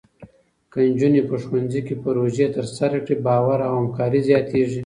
که نجونې په ښوونځي کې پروژې ترسره کړي، باور او همکاري زیاتېږي.